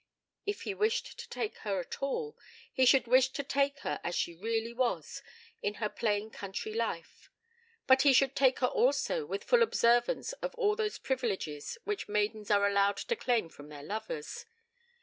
If he wished to take her at all, he should wish to take her as she really was, in her plain country life, but he should take her also with full observance of all those privileges which maidens are allowed to claim from their lovers.